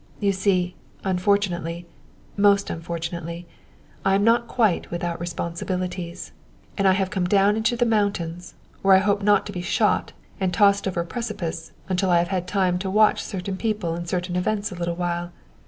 You see, unfortunately most unfortunately I am not quite without responsibilities, and I have come down into the mountains, where I hope not to be shot and tossed over a precipice until I have had time to watch certain people and certain events a little while.